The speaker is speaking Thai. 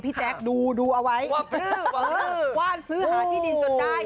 แจ๊คดูเอาไว้ว่านซื้อหาที่ดินจนได้